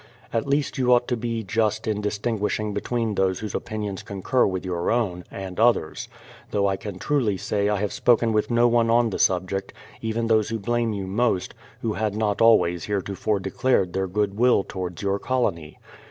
At least you ought to be just in dis tinguishing between those whose opinions concur with your own, and others— though I can truly say I have spoken with no one on the subject, even those who blame you most, who had not always heretofore declared their good will towards your colony.